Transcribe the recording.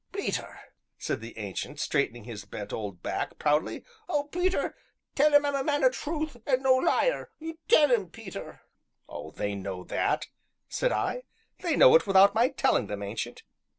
"Peter," said the Ancient, straightening his bent old back proudly, "oh, Peter! tell 'em I'm a man o' truth, an' no liar tell 'em, Peter." "They know that," said I; "they know it without my telling them, Ancient."